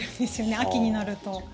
秋になると。